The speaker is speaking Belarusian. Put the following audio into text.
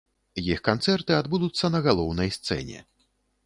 Іх канцэрты адбудуцца на галоўнай сцэне.